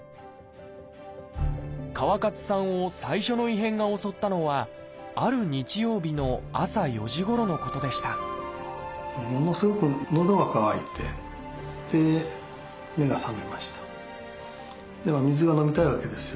川勝さんを最初の異変が襲ったのはある日曜日の朝４時ごろのことでしたものすごく水が飲みたいわけですよ